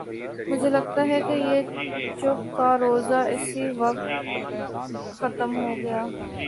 مجھے لگتا ہے کہ یہ چپ کا روزہ اسی وقت ختم ہو گا۔